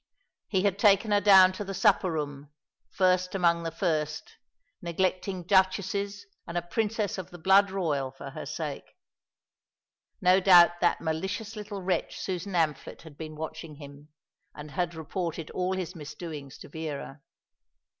He had taken her down to the supper room, first among the first, neglecting duchesses and a princess of the blood royal for her sake. No doubt that malicious little wretch Susan Amphlett had been watching him, and had reported all his misdoings to Vera.